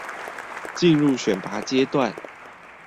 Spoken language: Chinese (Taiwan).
進入選拔階段